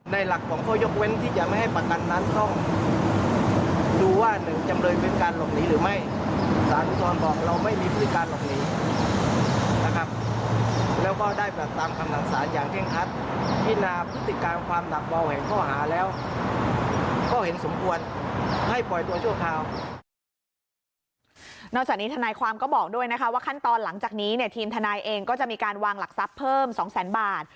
นอกจากนี้ทนายความก็บอกด้วยนะคะว่าขั้นตอนหลังจากนี้เนี่ยทีมทนายเองก็จะมีการวางหลักทรัพย์เพิ่ม๒แสนบาท